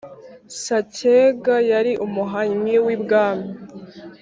Sacyega yari umuhannyi w'ibwami,